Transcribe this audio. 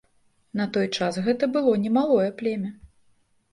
На той час гэта было немалое племя.